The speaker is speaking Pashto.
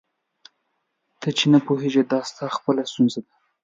ته چي نه پوهېږې دا ستا خپله ستونزه ده.